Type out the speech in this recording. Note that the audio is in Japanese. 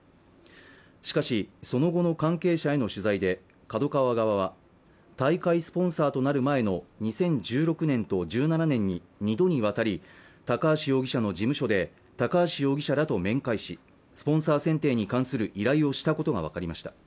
しかしその後の関係者への取材でＫＡＤＯＫＡＷＡ側は大会スポンサーとなる前の２０１６年と１７年に２度にわたり高橋容疑者の事務所で高橋容疑者らと面会しスポンサー選定に関する依頼をしたことが分かりました